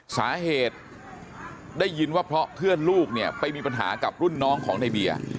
สาเหตุได้ยินว่าเพราะเพื่อนลูกเนี่ยไปมีปัญหากับรุ่นน้องของในเบียร์